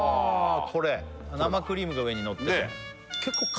これ生クリームが上にのっててねえ